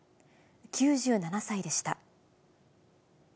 ９７歳でした。